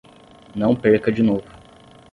Não perca de novo